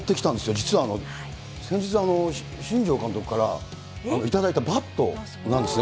実は先日、新庄監督から頂いたバットなんですね。